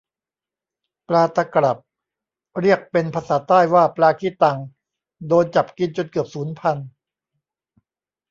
ปลาตะกรับ เรียกเป็นภาษาใต้ว่าปลาขี้ตัง โดนจับกินจนเกือบสูญพันธุ์